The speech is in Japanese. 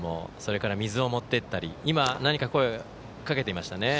水を持っていったり今も何か声かけていましたね。